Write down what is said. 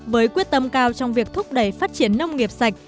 với quyết tâm cao trong việc thúc đẩy phát triển nông nghiệp sạch